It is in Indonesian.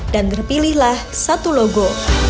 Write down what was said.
dan terpilihlah satu logo